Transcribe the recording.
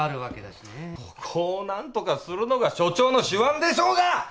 そこをなんとかするのが所長の手腕でしょうが！